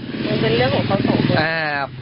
มันเป็นเรื่องของเขาสองคน